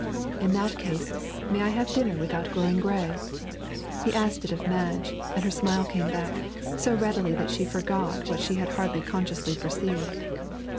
'In that case, may I have dinner without growing grey?' He asked it of Madge, and her smile came back, so readily did she forget what she had hardly consciously perceived.